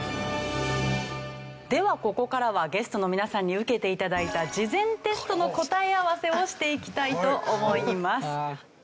ではここからはゲストの皆さんに受けて頂いた事前テストの答え合わせをしていきたいと思います。